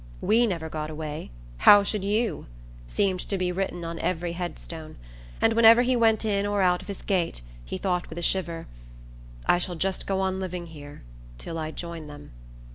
"We never got away how should you?" seemed to be written on every headstone; and whenever he went in or out of his gate he thought with a shiver: "I shall just go on living here till I join them."